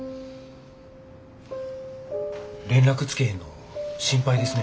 連絡つけへんの心配ですね。